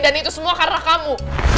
dan itu semua karena kamu